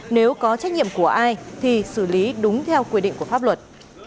nếu có trách nhiệm của ai thì xử lý đúng theo quy định của pháp luật